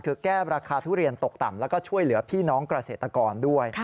คือแก้ราคาทุเรียนตกต่ำแล้วก็ช่วยเหลือพี่น้องเกษตรกรด้วย